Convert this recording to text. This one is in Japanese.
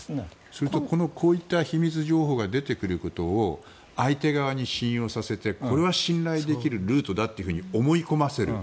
それとこういった秘密情報が出てくることを相手側に信用させてこれは信頼できるルートだと思い込ませる。